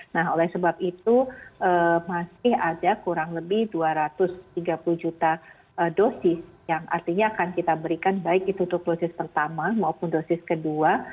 nah oleh sebab itu masih ada kurang lebih dua ratus tiga puluh juta dosis yang artinya akan kita berikan baik itu untuk dosis pertama maupun dosis kedua